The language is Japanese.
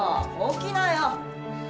起きなよ。